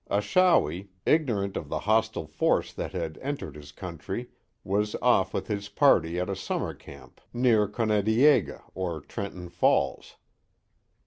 Achawi, ignorant of the hostile force that had entered his country, was off with his party at a summer camp near Kon nediega, or Trenton Falls.